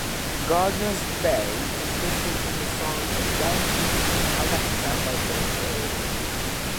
Gardiners Bay is mentioned in the song "The Downeaster 'Alexa'" by Billy Joel.